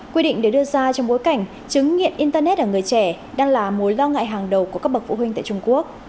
quy định được đưa ra trong bối cảnh chứng nghiện internet ở người trẻ đang là mối lo ngại hàng đầu của các bậc phụ huynh tại trung quốc